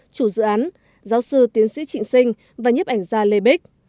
chủ dự án giáo sư tiến sĩ trịnh sinh và nhiếp ảnh gia lê bích